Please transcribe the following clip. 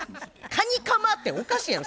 カニカマっておかしいやろ。